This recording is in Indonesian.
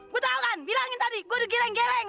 gua tau kan bilangin tadi gua digeleng geleng